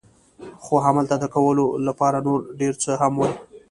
خو همالته د کولو لپاره نور ډېر څه هم ول.